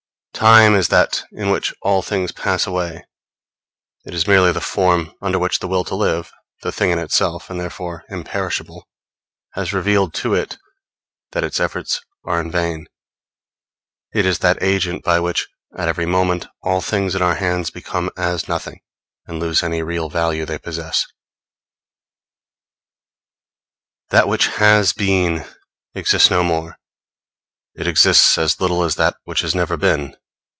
Time is that in which all things pass away; it is merely the form under which the will to live the thing in itself and therefore imperishable has revealed to it that its efforts are in vain; it is that agent by which at every moment all things in our hands become as nothing, and lose any real value they possess. That which has been exists no more; it exists as little as that which has never been.